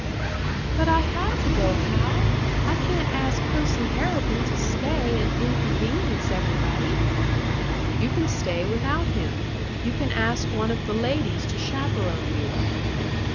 "But I have to go, Hal. I can't ask Percy Harrigan to stay and inconvenience everybody!" "You can stay without him. You can ask one of the ladies to chaperon you."